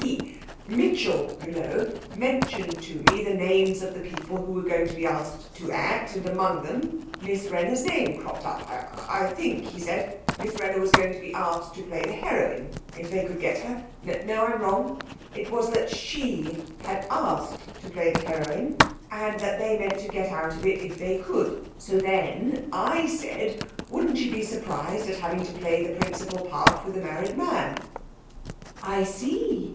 He Mitchell, you know mentioned to me the names of the people who were going to be asked to act, and among them, Miss Wrenner's name cropped up I think he said Miss Wrenner was going to be asked to play the heroine if they could get her no I'm wrong, it was that she had asked to play the heroine, and that they meant to get out of it if they could. So, then, I said, wouldn't she be surprised at having to play the principal part with a married man.' 'I see.